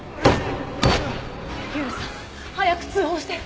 火浦さん早く通報して！